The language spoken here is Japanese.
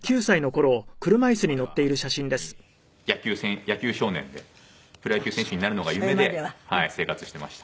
それまでは本当に野球少年でプロ野球選手になるのが夢で生活してました。